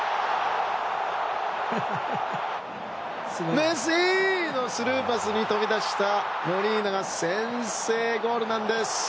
メッシのスルーパスに飛び出したモリーナが先制ゴールなんです！